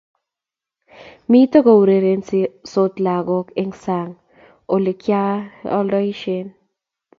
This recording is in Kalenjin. Mito kourerensot lagook eng sang olegialdoishen